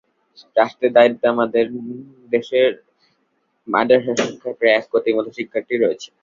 রাষ্ট্রের দায়আমাদের দেশে মাদ্রাসা শিক্ষায় প্রায় এক কোটির মতো শিক্ষার্থী রয়েছে।